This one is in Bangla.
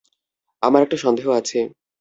আমার একটা সন্দেহ আছে।